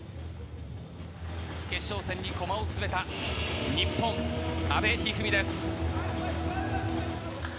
決勝戦に駒を進めた日本、阿部一二三です。